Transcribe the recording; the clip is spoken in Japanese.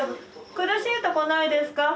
苦しいとこないですか？